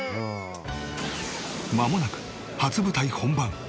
まもなく初舞台本番。